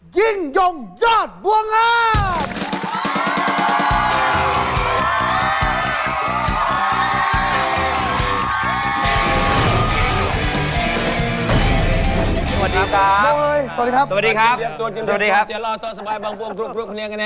ยิ่งย่องยอดบวงอด